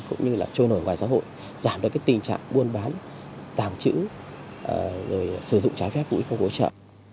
cũng như là trôi nổi ngoài xã hội giảm được cái tình trạng buôn bán tàng trữ rồi sử dụng trái phép vũ khí không hỗ trợ